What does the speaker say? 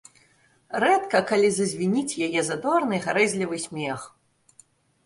Рэдка калі зазвініць яе задорны, гарэзлівы смех.